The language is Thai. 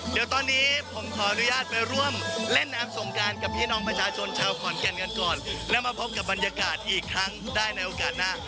เดี๋ยวตอนนี้ผมขออนุญาตไปร่วมเล่นน้ำสงการกับพี่น้องประชาชนชาวขอนแก่นกันก่อนแล้วมาพบกับบรรยากาศอีกครั้งได้ในโอกาสหน้า